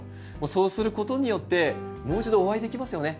そうすることによってもう一度お会いできますよね。